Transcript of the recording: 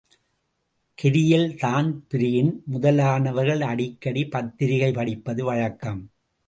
கெரியில் Dan Breen முதலானவர்கள் அடிக்கடி பத்திரிகை படிப்பது வழக்கம்.